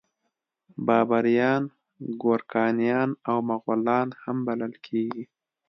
بابریان ګورکانیان او مغولان هم بلل کیږي.